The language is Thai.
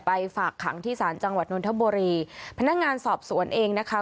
ฝากขังที่ศาลจังหวัดนทบุรีพนักงานสอบสวนเองนะคะ